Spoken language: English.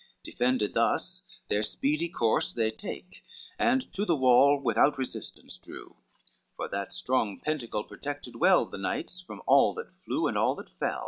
Defended thus their speedy course they take, And to the wall without resistance drew, For that strong penticle protected well The knights, from all that flew and all that fell.